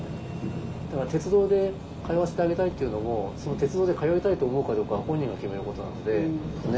だから鉄道で通わせてあげたいっていうのも鉄道で通いたいと思うかどうかは本人が決めることなので。